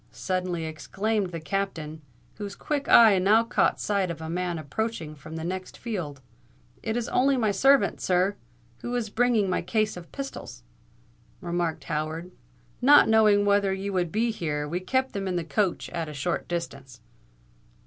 suddenly exclaimed the Captain, whose quick eye now caught sight of a man approaching from the next field. "It's only my servant, sir, who is bringing my case of pistols," remarked Howard. "Not knowing whether you would be here, we kept them in the coach at a short distance."